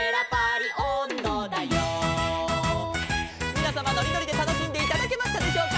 「みなさまのりのりでたのしんでいただけましたでしょうか」